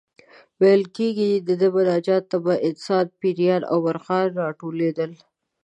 ویل کېږي د ده مناجاتو ته به انسانان، پېریان او مرغان راټولېدل.